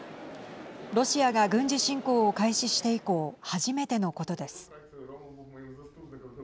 ロシアが軍事侵攻を開始して以降初めてのことです。